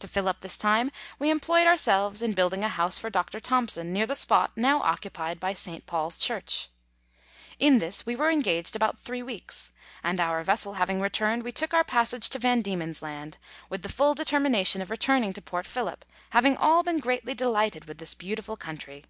To fill up this time we employed ourselves in building a house for Dr. Thomson, near the spot now occupied by St. Paul's Church. In this we were engaged about three weeks, and our vessel having returned, we took our passage to Van Diemen's Land, with the full determination of returning to Port Phillip, having all been greatly delighted with this beautiful country.